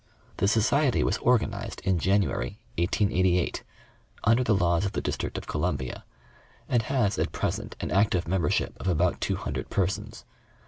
The Society was organized in January, 1888, under the laws of the District of Columbia, and has at present an active member ship of about two hundred persons.